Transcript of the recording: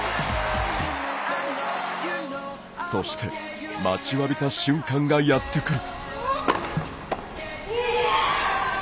そして待ちわびた瞬間がやってくる。